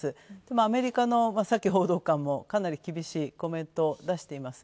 アメリカのサキ報道官もかなり厳しいコメントを出しています。